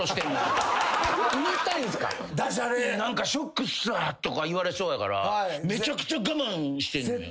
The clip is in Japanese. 「何かショックっすわ」とか言われそうやからめちゃくちゃ我慢してんのよ。